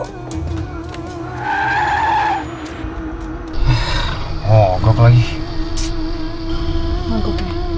sekarang ini kesempatan aku